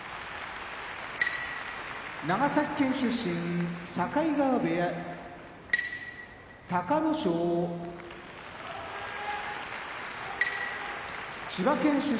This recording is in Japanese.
長崎県出身境川部屋隆の勝千葉県出身